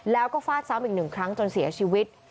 แล้วก็ฟาดซ้ำอีกหนึ่งครั้งจนเสียชีวิต